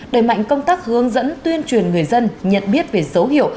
đẩy mạnh công tác hướng dẫn tuyên truyền người dân nhận biết về dấu hiệu